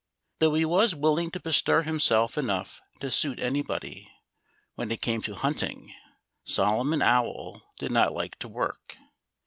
Though he was willing to bestir himself enough to suit anybody, when it came to hunting, Solomon Owl did not like to work.